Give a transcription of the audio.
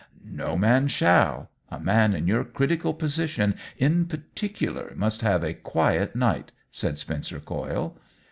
" No man shall ! A man in your critical position in particular must have a quiet night," said Spencer Coyle.